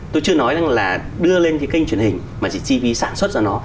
tôi chưa nói rằng là đưa lên cái kênh truyền hình mà chỉ chi phí sản xuất cho nó